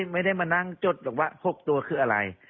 ไม่ได้มานั่งจดหรอกว่า๖ตัวคืออะไร